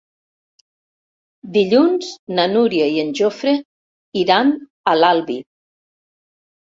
Dilluns na Núria i en Jofre iran a l'Albi.